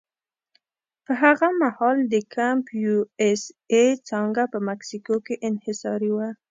په هغه مهال د کمپ یو اس اې څانګه په مکسیکو کې انحصاري وه.